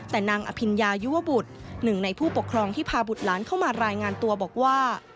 แต่นางอภิญญายุวบุตรหนึ่งในผู้ปกครองที่พาบุตรหลานเข้ามารายงานตัวบอกว่า